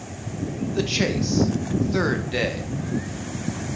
The Chase.—Third Day.